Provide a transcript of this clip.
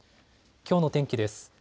きょうの天気です。